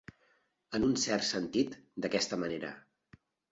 En un cert sentit, d'aquesta manera.